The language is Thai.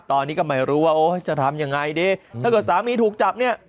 ตอนนี้ก็ไม่รู้ว่าโอ้ยจะทำยังไงดีถ้าเกิดสามีถูกจับเนี่ย